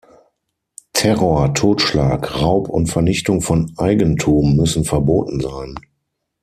Terror, Totschlag, Raub und Vernichtung von Eigentum müssen verboten sein.